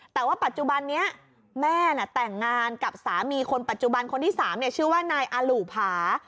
แต่ว่าปัจจุบันนี้แม่แต่งงานกับสามีคนปัจจุบันคนที่๓ชื่อว่านายอลู่ผา